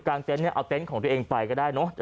เต็นต์เนี่ยเอาเต็นต์ของตัวเองไปก็ได้เนอะ